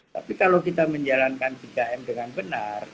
tapi kalau kita menjalankan tiga m dengan benar